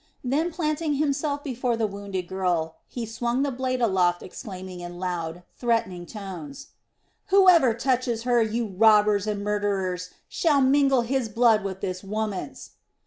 Then planting himself before the wounded girl, he swung the blade aloft exclaiming in loud, threatening tones: "Whoever touches her, you robbers and murderers, shall mingle his blood with this woman's."